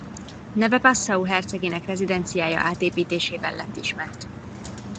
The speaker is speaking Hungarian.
Neve Passau hercegének rezidenciája átépítésével lett ismert.